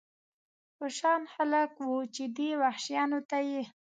په شان خلک و، چې دې وحشیانو ته یې.